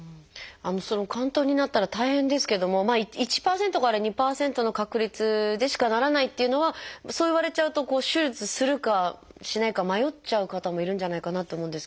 その嵌頓になったら大変ですけどもまあ１％から２％の確率でしかならないっていうのはそう言われちゃうと手術するかしないか迷っちゃう方もいるんじゃないかなって思うんですけども。